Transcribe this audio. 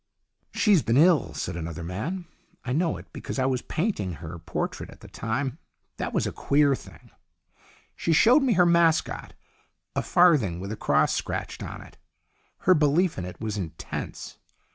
" She's been ill," said another man. " I know it because I was painting her portrait at the time. That was a queer thing. She showed me her 128 STORIES IN GREY mascot, a farthing with a cross scratched on it. Her belief in it was intense.